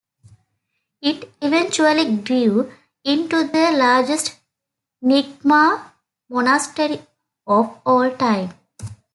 It eventually grew into the largest Nyingma monastery of all time.